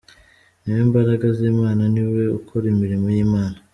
Ni we mbaraga z'Imana, Ni we ukora imirimo y'Imana.